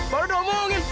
baru udah omongin